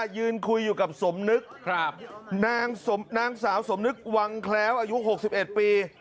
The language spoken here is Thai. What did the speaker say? ยืนคุยอยู่กับสมนึกครับนางสาวสมนึกวังแคล้วอายุหกสิบเอ็ดปี